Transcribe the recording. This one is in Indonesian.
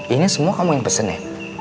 ini semua kamu yang pesen ya